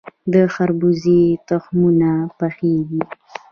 د خربوزې تخمونه پخیږي.